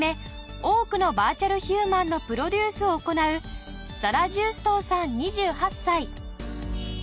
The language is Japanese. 多くのバーチャルヒューマンのプロデュースを行う沙羅ジューストーさん２８歳。